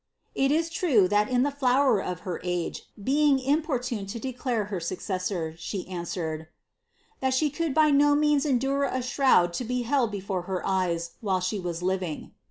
Il is true, that in the llower of her age, being impor tuned to declare her successor, she answered, 'that she could by m means endure a shroud to be held before her eyes while she was living.